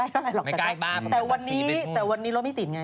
แต่วันนี้รถไม่ติดไง